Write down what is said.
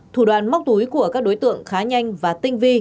thủ đoàn móc túi của các đối tượng khá nhanh và tinh vi